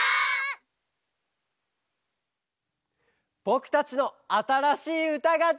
ぼくたちのあたらしいうたができました！